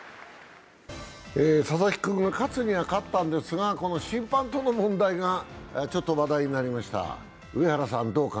佐々木君が勝つには勝ったんですが、この審判との問題がちょっと話題になりました。